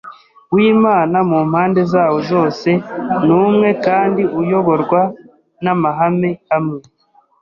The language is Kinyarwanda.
w’Imana mu mpande zawo zose ni umwe kandi uyoborwa n’amahame amwe,